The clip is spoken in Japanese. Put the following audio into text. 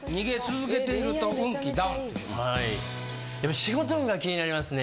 仕事運が気になりますね。